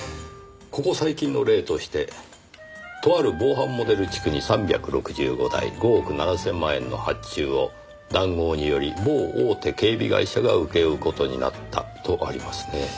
「ここ最近の例としてとある防犯モデル地区に３６５台５億７千万円の発注を談合により某大手警備会社が請け負う事になった」とありますねぇ。